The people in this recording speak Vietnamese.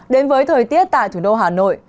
đến với thời tiết tại thủ đô hà nội